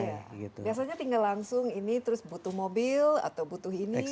biasanya tinggal langsung ini terus butuh mobil atau butuh ini